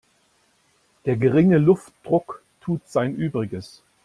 Der geringe Luftdruck tut sein Übriges.